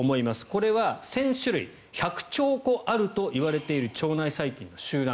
これは１０００種類１００兆個あるといわれている腸内細菌の集団